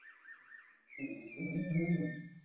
子公司化之后其工作室转移至小平市小川町。